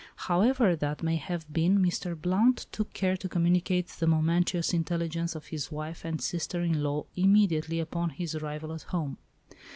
However that may have been, Mr. Blount took care to communicate the momentous intelligence to his wife and sister in law immediately upon his arrival at home.